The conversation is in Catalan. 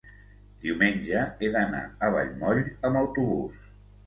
diumenge he d'anar a Vallmoll amb autobús.